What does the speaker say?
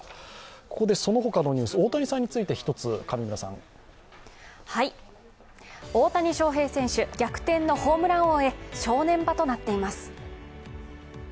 ここでその他のニュース、大谷さんについて、上村さん。大谷翔平選手、逆転のホームラン王へ正念場となっています。